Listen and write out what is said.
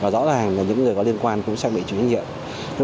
rõ ràng là những người có liên quan cũng sẽ bị trúng nhiệm